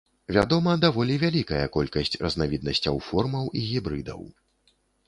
Вядома даволі вялікая колькасць разнавіднасцяў, формаў і гібрыдаў.